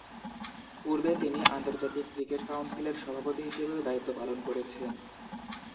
পূর্বে তিনি আন্তর্জাতিক ক্রিকেট কাউন্সিলের সভাপতি হিসেবেও দায়িত্ব পালন করেছেন।